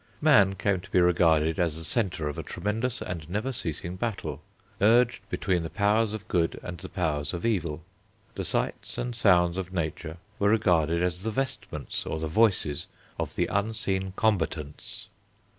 Man came to be regarded as the centre of a tremendous and never ceasing battle, urged between the powers of good and the powers of evil. The sights and sounds of nature were regarded as the vestments, or the voices, of the unseen combatants.